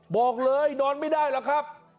บอกเลยนอนไม่ได้หรอกครับ